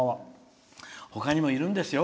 ほかにもいるんですよ